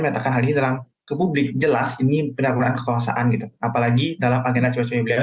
meletakkan hal ini ke publik jelas ini penyakit kekuasaan gitu apalagi dalam agenda coba coba